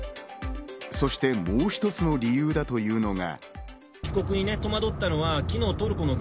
そしてもう一つの理由だというのが。